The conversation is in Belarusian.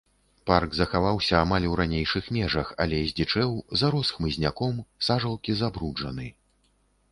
Парк захаваўся амаль у ранейшых межах, але здзічэў, зарос хмызняком, сажалкі забруджаны.